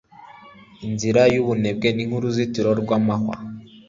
Inzira y’umunebwe ni nk’uruzitiro rw’amahwa